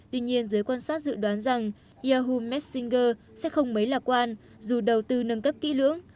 tuy nhiên giới quan sát dự đoán rằng yahoo messenger sẽ không mấy lạc quan dù đầu tư nâng cấp kỹ lưỡng